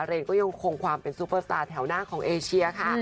เรนก็ยังคงความเป็นซูเปอร์สตาร์แถวหน้าของเอเชียค่ะ